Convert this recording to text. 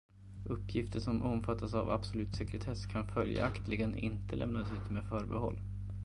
Uppgifter som omfattas av absolut sekretess kan följaktligen inte lämnas ut med förbehåll.